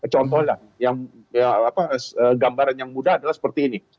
contohnya yang gambaran yang mudah adalah seperti ini